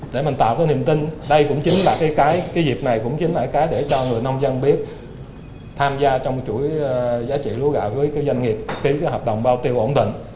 để mình tạo niềm tin đây cũng chính là cái dịp này để cho người nông dân biết tham gia trong chuỗi giá trị lúa gạo với doanh nghiệp ký hợp đồng bao tiêu ổn định